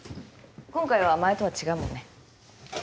今回は前とは違うもんね。